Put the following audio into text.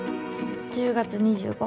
１０月２５。